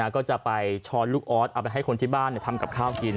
ก็จะไปช้อนลูกออสเอาไปให้คนที่บ้านทำกับข้าวกิน